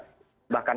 bahkan dalam kondisi